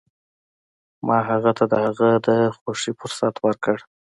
ما هغه ته د هغه د خوښې فرصت ورکړ.